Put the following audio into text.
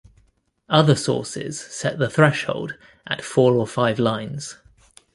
Other sources set the threshold at four or five lines.